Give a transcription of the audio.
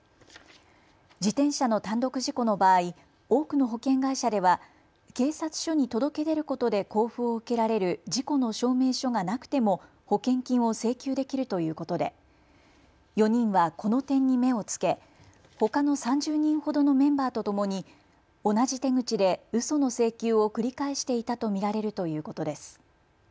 自転車の単独事故の場合、多くの保険会社では警察署に届け出ることで交付を受けられる事故の証明書がなくても保険金を請求できるということで４人はこの点に目をつけほかの３０人ほどのメンバーとともに同じ手口でうその請求を繰り返していたと見られるということです。